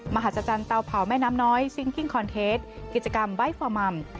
มหาศจรรย์เตาเผาแม่น้ำน้อยซิงคิ้งคอนเทสกิจกรรมไบท์ฟอร์มัม